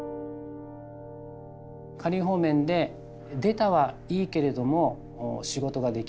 仮放免で出たはいいけれども仕事ができない。